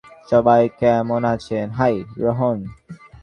সবাই কেমন আছেন, - হাই, রোহন।